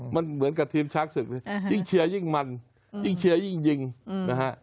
มันเหมือนกับทีมช้างศึกเลยยิ่งเชียร์ยิ่งมันยิ่งเชียร์ยิ่งยิงนะฮะ